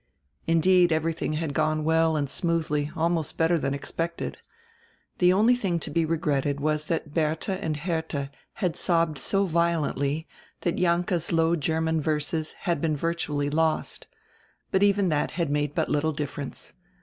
Indeed everything had gone well and smoothly, almost better than expected. The only thing to be regretted was that Bertha and Hertha had sobbed so violently that Jahnke's Low German verses had been virtu ally lost But even that had made but little difference.